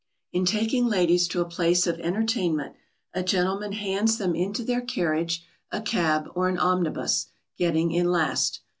] In taking ladies to a place of entertainment a gentleman hands them into their carriage, a cab, or an omnibus, getting in last.